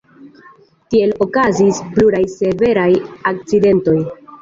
Tiel okazis pluraj severaj akcidentoj.